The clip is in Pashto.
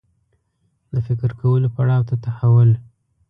د فکر کولو پړاو ته تحول